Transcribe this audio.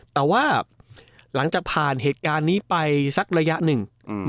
แต่ว่าหลังจากผ่านเหตุการณ์นี้ไปสักระยะหนึ่ง